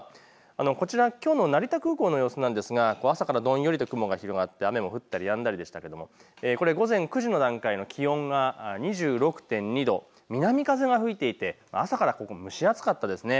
こちら、きょうの成田空港の様子ですが朝からどんよりと雲が広がって雨も降ったりやんだりでしたがこれは午前９時の段階の気温が２６．２度、南風が吹いていて朝から蒸し暑かったですね。